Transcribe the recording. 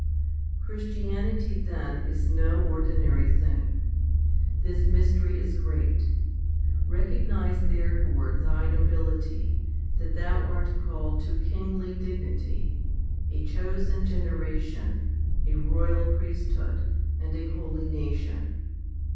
1 4. Christianity, then, is no ordinary thing. This mystery is great. 2 Recognise therefore thy nobility, that thou art called to kingly dignity, a chosen generation, a royal priest hood, and a holy nation?